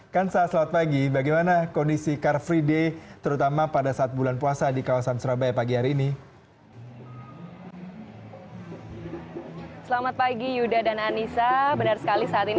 kansa selamat pagi bagaimana kondisi car free day terutama pada saat bulan puasa di kawasan surabaya pagi hari ini